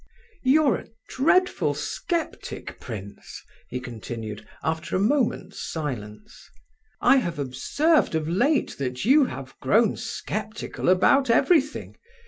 —" "You're a dreadful sceptic, prince," he continued, after a moment's silence. "I have observed of late that you have grown sceptical about everything.